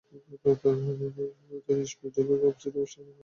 তিনি East Petersburg এ অবস্থিত ওয়েস্টিংহাউজ ইলেকট্রিক এ যুক্ত হন।